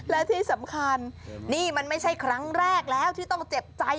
และที่สำคัญนี่มันไม่ใช่ครั้งแรกแล้วที่ต้องเจ็บใจ